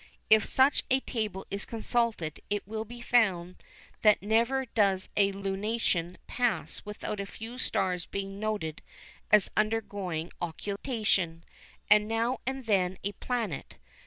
If such a table is consulted it will be found that never does a lunation pass without a few stars being noted as undergoing occultation, and now and then a planet.